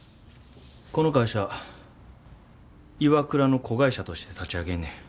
この会社ＩＷＡＫＵＲＡの子会社として立ち上げんねん。